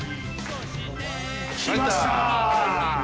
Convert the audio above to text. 来ました！